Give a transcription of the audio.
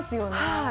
はい。